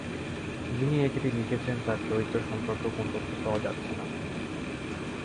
যিনি এই চিঠি লিখেছেন, তাঁর চরিত্র সম্পর্কেও কোনো তথ্য পাওয়া যাচ্ছে না।